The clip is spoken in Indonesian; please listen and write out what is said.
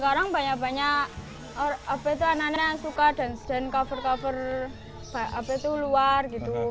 zaman sekarang banyak banyak apa itu anak anak yang suka dan sedang cover cover apa itu luar gitu